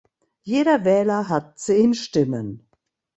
Jeder Wähler hat zehn Stimmen.